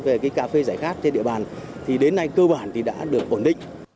về cái cà phê giải khát trên địa bàn thì đến nay cơ bản thì đã được ổn định